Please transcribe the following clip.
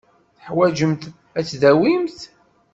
Teḥwajemt ad tdawimt.